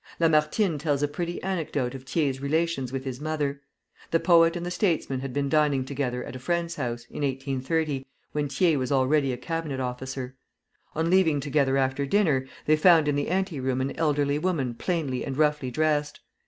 Lamartine tells a pretty anecdote of Thiers' relations with his mother. The poet and the statesman had been dining together at a friend's house, in 1830, when Thiers was already a cabinet officer. On leaving together after dinner, they found in the ante room an elderly woman plainly and roughly dressed.